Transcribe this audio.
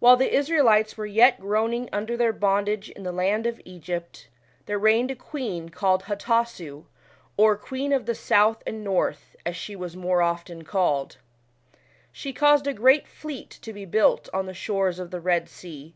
While the Israelites were yet groaning under their bondage in the land of Egypt, there reigned a queen called Hatasu, or " Queen of the South and North," as she was more often called. She caused a great fleet to be built on the shores of the lied Sea.